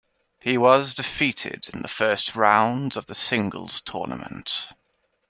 He was defeated in the first round of the singles tournament.